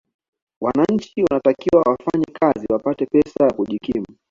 wananchi wanatakiwa wafanye kazi wapate pesa ya kujikimu